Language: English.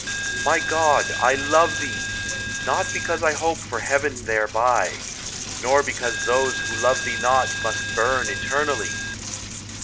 My God, I love thee! not because I hope for heaven thereby ; Nor because those who love thee not Must bum eternally.